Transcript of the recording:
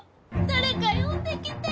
誰か呼んできて。